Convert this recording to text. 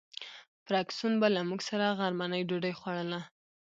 فرګوسن به له موږ سره غرمنۍ ډوډۍ خوړله.